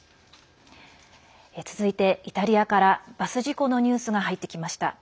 続いてイタリアからバス事故のニュースが入ってきました。